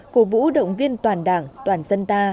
cố vũ động viên toàn đảng toàn dân ta